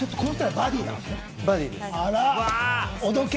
バディです。